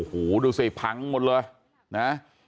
โอ้โหดูสิพังหมดเลยนะ